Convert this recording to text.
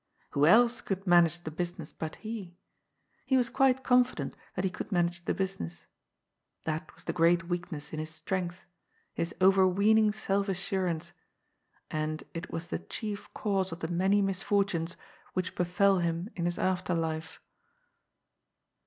Who else could manage the business but he ? He was quite confident that he could manage the business. That was the great weakness in his strength, his overween ing self assurance, and it was the chief cause of the many misfortunes which befell him in his after life.